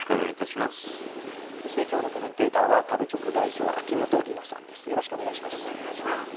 今日のコメンテーターは食べチョク代表、秋元里奈さんです。